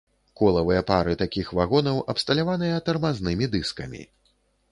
Колавыя пары такіх вагонаў абсталяваныя тармазнымі дыскамі.